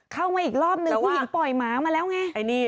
เข้ามาอีกรอบนึงผู้หญิงปล่อยหมามาแล้วไง